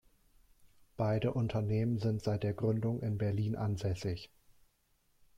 Beide Unternehmen sind seit der Gründung in Berlin ansässig.